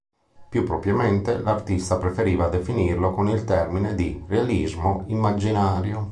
Più propriamente l'artista preferiva definirlo con il termine di "Realismo immaginario".